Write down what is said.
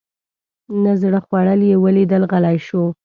نه زړه خوړل یې ولیدل غلی شو.